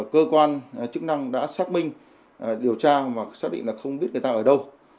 cơ quan chức năng đã xác minh điều tra và xác định là không biết người ta ở đâu